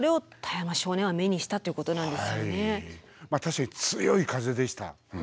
確かに強い風でした。